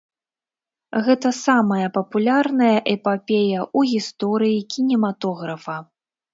Гэта самая папулярная эпапея ў гісторыі кінематографа.